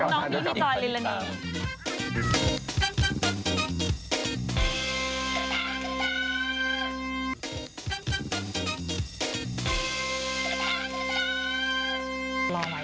ของน้องพี่ปีจอนลิ้ลอิน